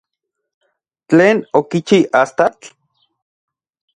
¿Tlen okichi astatl?